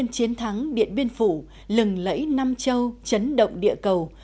chiến thắng điện biên phủ lừng lẫy nam châu chấn động địa cầu